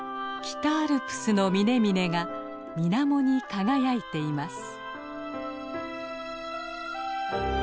北アルプスの峰々が水面に輝いています。